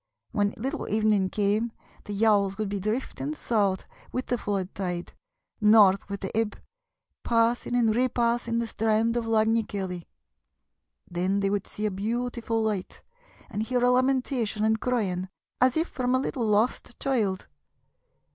When little evening came, the yawls would be drifting south with the flood tide, north with the ebb, passing and repassing the strand of Lag ny Keilley. Then they would see a beautiful light and hear a lamentation and crying, as if from a little lost child.